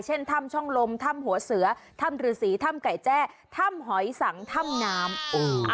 เช่นถ้ำช่องลมถ้ำหัวเสือถ้ำฤษีถ้ำไก่แจ้ถ้ำหอยสังถ้ำน้ำ